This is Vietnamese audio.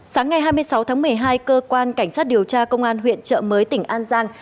sáng ngày hai mươi sáu tháng một mươi hai cơ quan cảnh sát điều tra công an huyện trợ mới tỉnh an giang